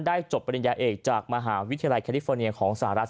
จบปริญญาเอกจากมหาวิทยาลัยแคลิฟอร์เนียของสหรัฐ